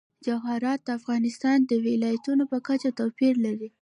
جواهرات د افغانستان د ولایاتو په کچه توپیر لري.